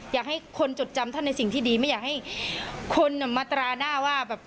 อยากให้คนจดจำท่านในสิ่งที่ดีไม่อยากให้คนมาตราหน้าว่าแบบ